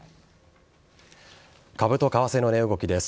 株と為替の値動きです。